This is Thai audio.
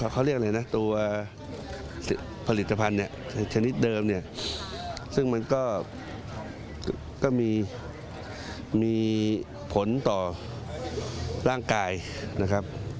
เขาเรียกอะไรนะตัวผลิตภัณฑ์เนี่ยชนิดเดิมเนี่ยซึ่งมันก็มีผลต่อร่างกายนะครับ